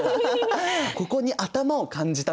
ここに頭を感じたの。